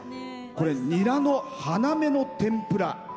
ニラの花芽の天ぷら。